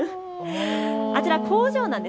あちら工場なんです。